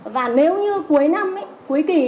và nếu như cuối năm ấy cuối kỷ